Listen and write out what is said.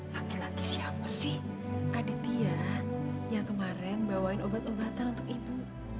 lagi lagi siapa sih adik dia yang kemarin bawain obat obatan untuk ibu